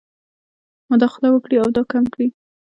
مداخله وکړي او دا کم کړي.